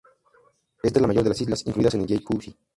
Esta es la mayor de las islas incluidas en Jeju-si.